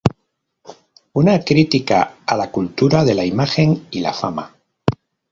Una crítica a la cultura de la imagen y a la fama.